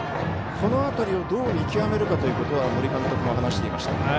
この辺りをどう見極めるかということは森監督も話していました。